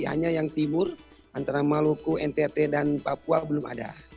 hanya yang timur antara maluku ntt dan papua belum ada